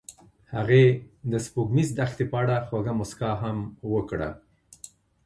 هغې د سپوږمیز دښته په اړه خوږه موسکا هم وکړه.